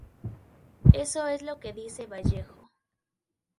Eso es lo que dice Vallejo.